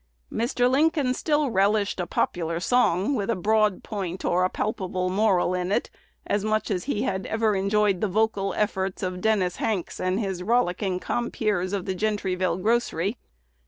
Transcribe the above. Mr. Lincoln still relished a popular song with a broad "point" or a palpable moral in it as much as he had ever enjoyed the vocal efforts of Dennis Hanks and his rollicking compeers of the Gentryville grocery.